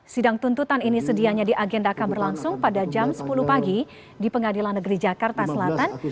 sidang tuntutan ini sedianya di agenda kamar langsung pada jam sepuluh pagi di pengadilan negeri jakarta selatan